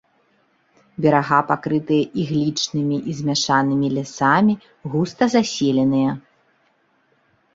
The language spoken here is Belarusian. Берага пакрытыя іглічнымі і змяшанымі лясамі, густа заселеныя.